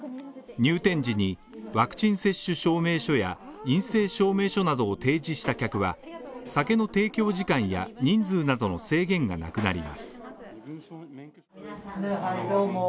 入店時にワクチン接種証明書や陰性証明書などを提示した客は、酒の提供時間や人数などの制限がなくなります。